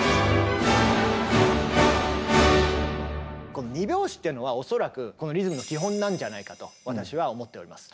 この２拍子っていうのは恐らくリズムの基本なんじゃないかと私は思っております。